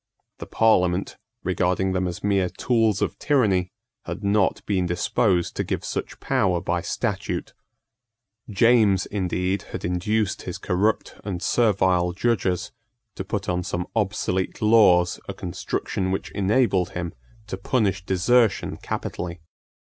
The Parliament, regarding them as mere tools of tyranny, had not been disposed to give such power by statute. James indeed had induced his corrupt and servile judges to put on some obsolete laws a construction which enabled him to punish desertion capitally.